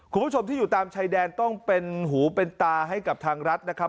คุณผู้ชมที่อยู่ตามชายแดนต้องเป็นหูเป็นตาให้กับทางรัฐนะครับ